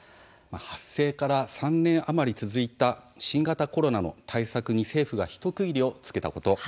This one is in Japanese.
発生から３年余り続いた新型コロナの対策に政府が一区切りをつけたこと。